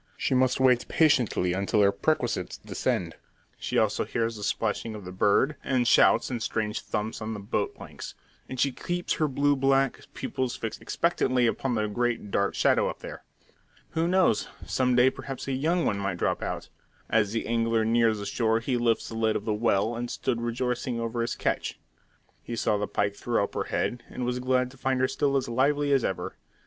She must wait patiently until her perquisites descend. She also hears the splashing of the bird, and shouts and strange thumps on the boat planks; and she keeps her blue black pupils fixed expectantly upon the great dark shadow up there. Who knows, some day perhaps a young one might drop out! As the angler neared the shore he lifted the lid of the well, and stood rejoicing over his catch. He saw the pike throw up her head, and was glad to find her still as lively as ever.